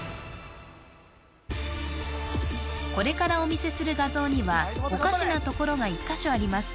これからお見せする画像にはおかしなところが１カ所あります